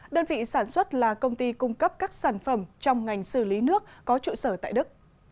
đơn vị sản xuất là công ty cung cấp các sản phẩm trong ngành xử lý nước có trụ sở tại đức